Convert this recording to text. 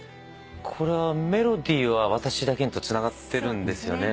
これはメロディーは『私だけに』とつながってるんですよね。